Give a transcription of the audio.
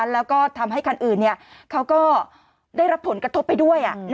แล้วก็ทำให้คันอื่นเขาก็ได้รับผลกระทบไปด้วย